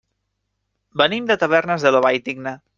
Venim de Tavernes de la Valldigna.